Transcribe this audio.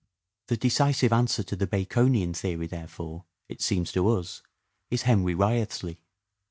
The decisive answer to the Baconian theory, therefore, it seems to us, is Henry Wriothesley.